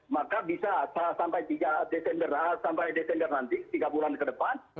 maka bisa sampai desember nanti tiga bulan ke depan